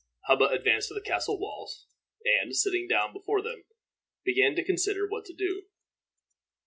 Hubba advanced to the castle walls, and, sitting down before them, began to consider what to do.